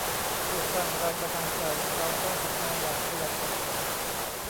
เพื่อสร้างแรงบันดาลใจเราต้องทำงานอย่างขยันขันแข็ง